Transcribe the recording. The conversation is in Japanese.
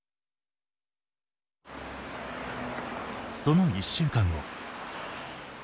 その１週間後。